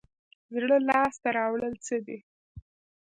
زړه لاس ته راوړل څه دي؟